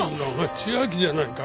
千秋じゃないか。